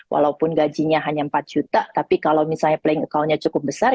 walaupun gajinya hanya empat juta tapi kalau misalnya playing account nya cukup besar